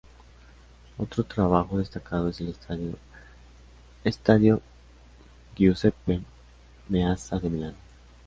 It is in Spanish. Otro trabajo destacado es el estadio Stadio Giuseppe Meazza de Milán.